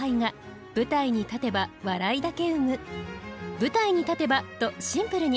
「舞台に立てば」とシンプルに。